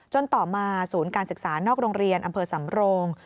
ต่อมาศูนย์การศึกษานอกโรงเรียนอำเภอสำโรง